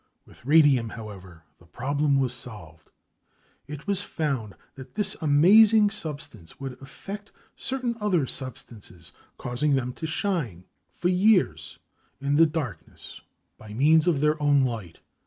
With radium, however, the problem was solved. It was found that this amazing substance would affect certain other substances, causing them to shine for years in the darkness by means of their own light.